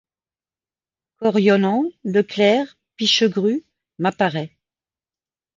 Coriolan, Leclerc, Pichegru, , m'apparaît